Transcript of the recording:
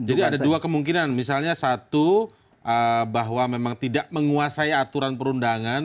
jadi ada dua kemungkinan misalnya satu bahwa memang tidak menguasai aturan perundangan